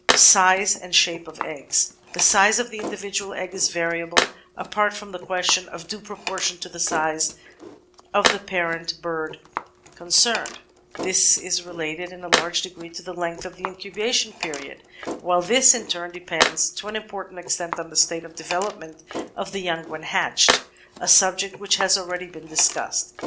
Size and Shape of Eggs The size of the individual egg is variable, apart from the question of due proportion to the size of the parent bird con 444 The Outline off Science cemed; this is related in a large degree to the length of the incubation period, while this in turn depends to an important extent on the state of development of the young when hatched, a subject which has already been discussed.